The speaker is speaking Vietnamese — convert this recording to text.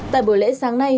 tại buổi lễ sáng nay